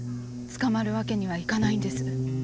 捕まるわけにはいかないんです。